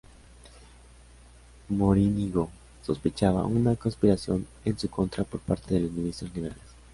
Morínigo sospechaba una conspiración en su contra por parte de los ministros liberales.